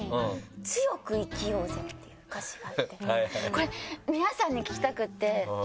これ皆さんに聞きたくて。